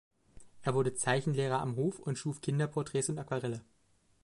Er wurde Zeichenlehrer am Hof und schuf Kinderporträts und Aquarelle.